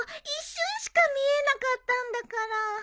一瞬しか見えなかったんだから。